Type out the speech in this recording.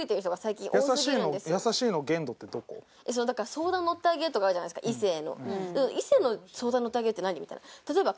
相談乗ってあげるとかあるじゃないですか異性の。